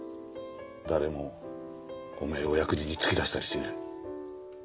誰もお前を役人に突き出したりしねえ。